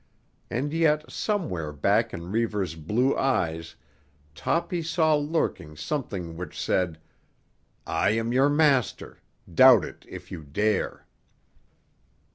And yet, somewhere back in Reivers' blue eyes Toppy saw lurking something which said, "I am your master—doubt it if you dare."